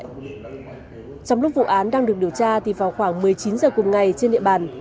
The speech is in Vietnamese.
trong lúc vụ án đang được điều tra thì vào khoảng một mươi chín h cùng ngày trên địa bàn